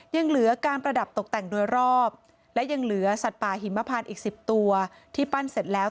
ยังเหลือการประดับตกแต่งโดยรอบและยังเหลือสัตว์ป่าหิมพานอีก๑๐ตัวที่ปั้นเสร็จแล้ว